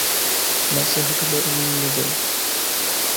মেসে হোটেলে এমনি দেয়।